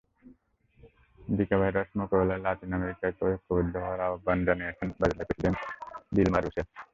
Zika virus মোকাবিলায় লাতিন আমেরিকাকে ঐক্যবদ্ধ হওয়ার আহ্বান জানিয়েছেন ব্রাজিলের প্রেসিডেন্ট দিলমা রুসেফ।